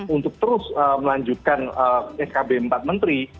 untuk terus melanjutkan skb empat menteri